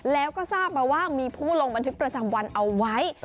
แล้วก็ทราบมาว่ามีผู้ลงบันทึกประจำวันเอาไว้